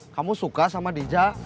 kamu suka sama dija